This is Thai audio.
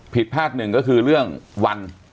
ผิดพลาดหนึ่งก็คือเรื่องวัน